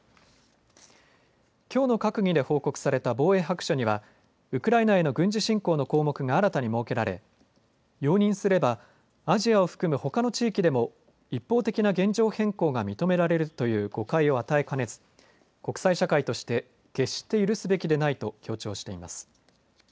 きょうの閣議で報告された防衛白書にはウクライナへの軍事侵攻の項目が新たに設けられ容認すればアジアを含むほかの地域でも一方的な現状変更が認められるという誤解を与えかねず国際社会として決して許すべきでないと強調しています。